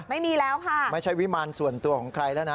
ไม่มีแล้วค่ะไม่ใช่วิมารส่วนตัวของใครแล้วนะ